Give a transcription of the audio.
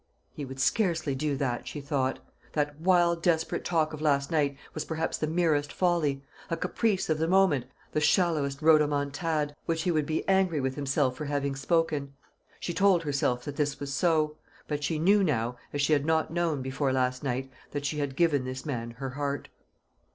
He would scarcely do that, she thought. That wild desperate talk of last night was perhaps the merest folly a caprice of the moment, the shallowest rodomontade, which he would be angry with himself for having spoken. She told herself that this was so; but she knew now, as she had not known before last night, that she had given this man her heart.